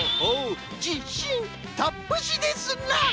「じしん」たっぷしですな！